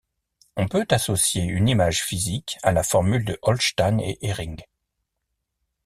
On peut associer une image physique à la formule de Holstein et Herring.